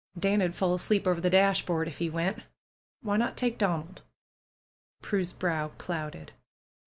Dan 'ud fall asleep over the dashboard if he went. Why not take Donald?" Prue's brow clouded.